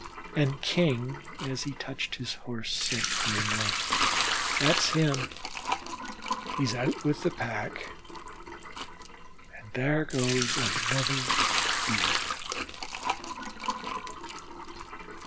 And King as he touched his Horse said grimly: "That's him, he is out with the pack, an' thar goes another Beef."